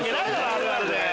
あるあるで。